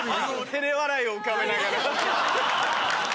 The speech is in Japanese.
照れ笑いを浮かべながら。